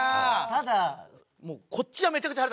ただこっちはめちゃくちゃ腹立つ。